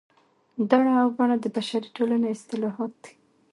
دړه او بنه د بشري ټولنې اصطلاحات دي